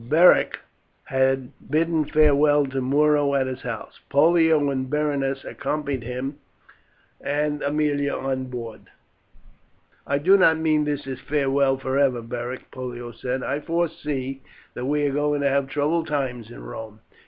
Beric had bidden farewell to Muro at his house; Pollio and Berenice accompanied him and Aemilia on board. "I do not mean this as a farewell for ever, Beric," Pollio said. "I foresee that we are going to have troubled times in Rome.